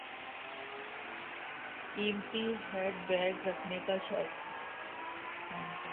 قیمتی hand bag رکھنے کا شوق تھا۔